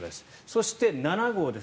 そして、７号です。